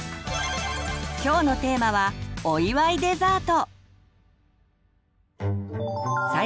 今日のテーマは「お祝いデザート」。